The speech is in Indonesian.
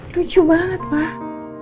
lucu banget pak